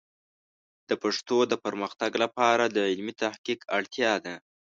د پښتو د پرمختګ لپاره د علمي تحقیق اړتیا ده.